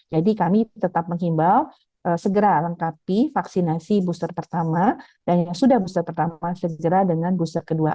kami tetap menghimbau segera lengkapi vaksinasi booster pertama dan yang sudah booster pertama segera dengan booster kedua